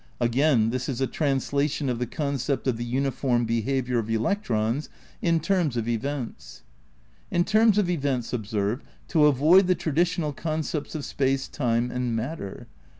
Agaia, this is a translation of the concept of the uniform behaviour of electrons in terms of events. In terms of events, observe, to avoid the traditional concepts of space, time and matter.